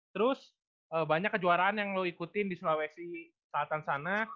terus banyak kejuaraan yang lo ikutin di sulawesi selatan sana